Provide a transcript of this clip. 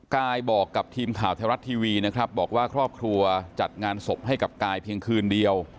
กายบอกกับทีมข่าวไทยรัฐทีวีนะครับบอกว่าครอบครัวจัดงานศพให้กับกายเพียงคืนเดียว